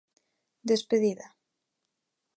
Despedida.